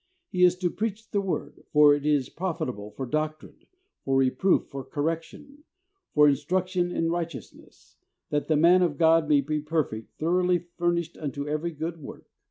He is to "preach the Word," for it is "prof itable for doctrine, for reproof, for correc tion, for instruction in righteousness ; that the man of God may be perfect, thoroughly furnished unto every good work."